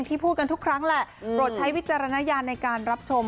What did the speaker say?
พูดกันทุกครั้งแหละโปรดใช้วิจารณญาณในการรับชม